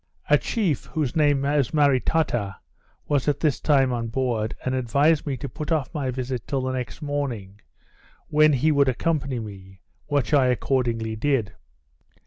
A chief, whose name was Maritata, was at this time on board, and advised me to put off my visit till the next morning, when he would accompany me; which I accordingly did.